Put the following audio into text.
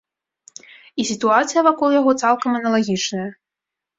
І сітуацыя вакол яго цалкам аналагічная.